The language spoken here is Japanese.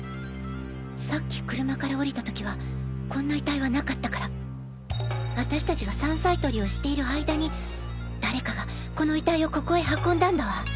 さっき車から降りた時はこんな遺体はなかったから私達が山菜採りをしている間に誰かがこの遺体をここへ運んだんだわ。